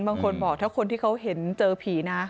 บางคนบอกถ้าคนที่เขาเห็นเจอผีนะ